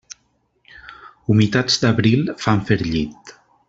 Humitats d'abril fan fer llit.